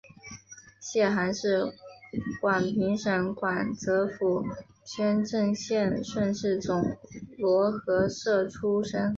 谢涵是广平省广泽府宣政县顺示总罗河社出生。